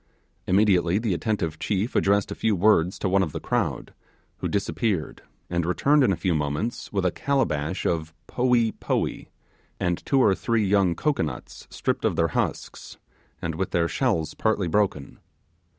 Immediately the attentive chief addressed a few words to one of the crowd, who disappeared, and returned in a few moments with a calabash of 'poee poee', and two or three young cocoanuts stripped of their husks, and with their shells partly broken.